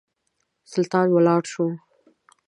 سلطان ولاړ شو.